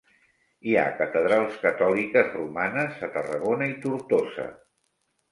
Hi ha catedrals catòliques romanes a Tarragona i Tortosa.